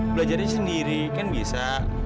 belajarnya sendiri kan bisa